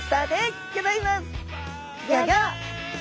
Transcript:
ギョギョッ。